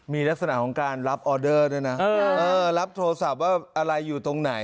มีลักษณะของการรับออเดอร์ด้วยนะรับโทรศัพท์ว่าอะไรอยู่ตรงไหน